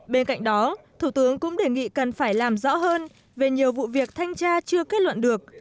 bên cạnh đó thủ tướng cũng đề nghị cần phải làm rõ hơn về nhiều vụ việc thanh tra chưa kết luận được